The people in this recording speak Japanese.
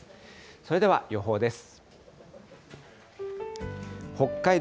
それでは予報です。